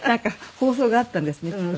放送があったんですねきっとね。